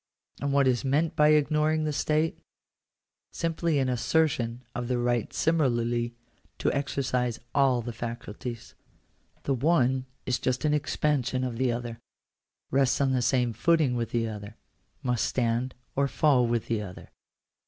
And what is meant by ignoring the state ? Simply an assertion of the right similarly to exercise all the faculties. The one is just an expansion of the other — rests on the same footing with the other — must stand or fall with the other.